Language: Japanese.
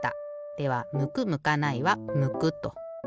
ではむくむかないは「むく」と。